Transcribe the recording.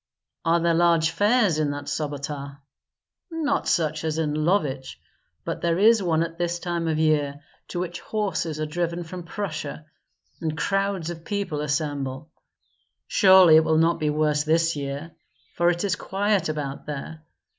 "Are there large fairs in that Sobota?" "Not such as in Lovich; but there is one at this time of year, to which horses are driven from Prussia, and crowds of people assemble. Surely it will not be worse this year, for it is quiet about there.